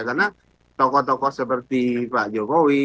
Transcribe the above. karena tokoh tokoh seperti pak jokowi